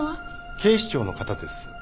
警視庁の方です。